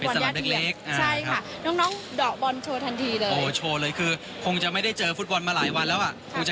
สัญญาณเล็กใช่ค่ะน้องน้องเดาะบอลโชว์ทันทีเลยโอ้โหโชว์เลยคือคงจะไม่ได้เจอฟุตบอลมาหลายวันแล้วอ่ะ